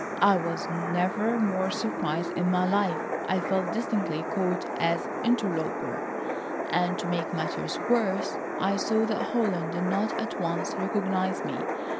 I was never more surprised in my life. I felt distinctly caught,—an interloper. And to make matters worse, I saw that Holland did not at once recognise me.